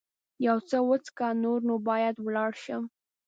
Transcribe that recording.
یو څه وڅښه، نور نو باید ولاړ شم.